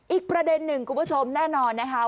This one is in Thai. อีกประเด็นหนึ่งคุณผู้ชมแน่นอนนะคะ